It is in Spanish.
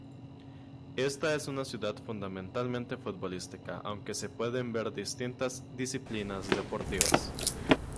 Esta es una ciudad fundamentalmente futbolística aunque se pueden ver distintas disciplinas deportivas.